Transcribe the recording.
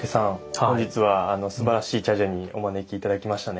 本日はすばらしい茶事にお招き頂きましたね。